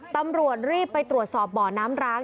ตำรวจรีบไปตรวจสอบบ่อน้ำร้าง